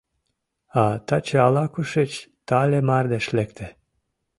А таче ала-кушеч тале мардеж лекте.